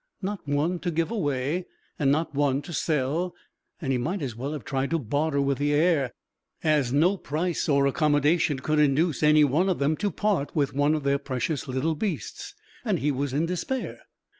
Not one to give away and not one to sell, and he might as well have tried to barter with the air, as no price or accommodation could induce any one of them to part with one of their precious little beasts, and he was in despair.